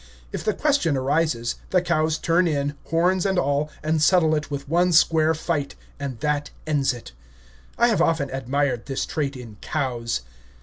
If the question arises, the cows turn in, horns and all, and settle it with one square fight, and that ends it. I have often admired this trait in COWS.